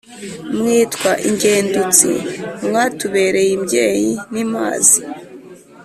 Mwitwa ingendutsi Mwatubereye imbyeyi n’imazi,